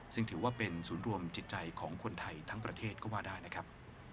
ซึ่งถือว่าเป็นศูนย์รวมจิตใจของคนไทยทั้งประเทศก็ว่าได้นะครับ